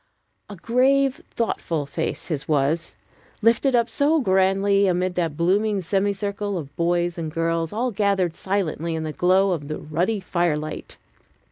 A grave, thoughtful face his was, lifted up so grandly amid that blooming semicircle of boys and girls, all gathered silently in the glow of the ruddy firelight!